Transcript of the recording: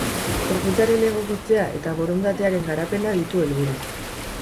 Gorputzaren egokitzea eta borondatearen garapena ditu helburu.